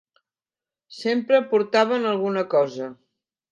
Sempre portaven alguna cosa.